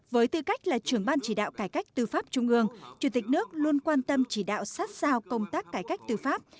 với tư cách là trưởng ban chỉ đạo cải cách tư pháp trung ương chủ tịch nước luôn quan tâm chỉ đạo sát sao công tác cải cách tư pháp